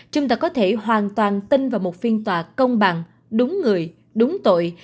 chúng ta có thể hoàn toàn tin vào một phiên tòa công bằng đúng người đúng tội